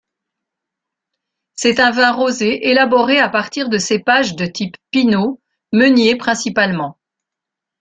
C'est un vin rosé élaboré à partir de cépages de type Pinot, meunier principalement.